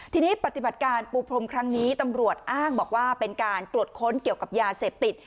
ทีนี้ปฏิบัติการปูพรมครั้งนี้ตำรวจอ้างบอกว่าเป็นการตรวจค้นเกี่ยวกับยาเสพติด